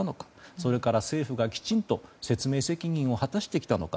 それから政府がきちんと説明責任を果たしてきたのか。